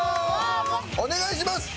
お願いします！